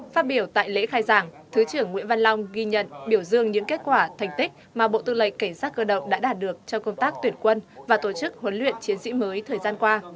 phát biểu tại lễ khai giảng thứ trưởng nguyễn văn long ghi nhận biểu dương những kết quả thành tích mà bộ tư lệnh cảnh sát cơ động đã đạt được trong công tác tuyển quân và tổ chức huấn luyện chiến sĩ mới thời gian qua